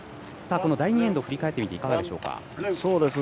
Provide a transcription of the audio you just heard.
この第２エンドを振り返っていかがでしょうか。